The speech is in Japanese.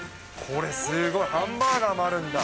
これすごい、ハンバーガーもあるんだ。